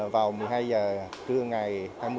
vào một mươi hai h trưa ngày